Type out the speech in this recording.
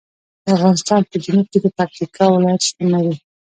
د افغانستان په جنوب کې د پکتیکا ولایت شتون لري.